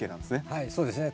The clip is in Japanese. はいそうですね。